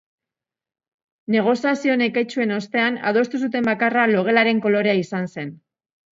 Negoziazio neketsuen ostean adostu zuten bakarra logelaren kolorea izan zen.